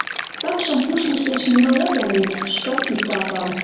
Такшым пуштмышт деч нимаят ом лӱд — шкак пикталтам.